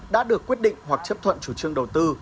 đã được quyết định hoặc chấp thuận chủ trương đầu tư